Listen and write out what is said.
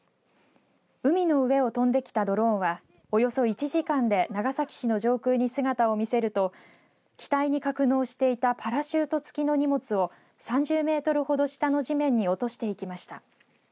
海の上を飛んできたドローンはおよそ１時間で長崎市の上空に姿を見せると機体に格納していたパラシュート付きの荷物を３０メートルほど下の地面に落としていきました。